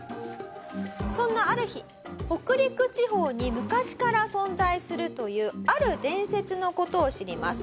そんなある日北陸地方に昔から存在するというある伝説の事を知ります。